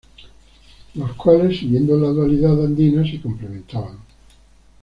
Los cuales, siguiendo la dualidad andina, se complementaban.